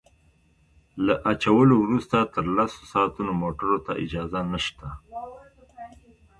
له اچولو وروسته تر لسو ساعتونو موټرو ته اجازه نشته